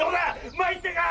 参ったか！